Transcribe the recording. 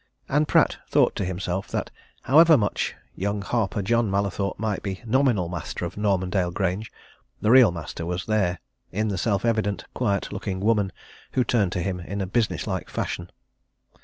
And Pratt thought to himself that however much young Harper John Mallathorpe might be nominal master of Normandale Grange, the real master was there, in the self evident, quiet looking woman who turned to him in business like fashion.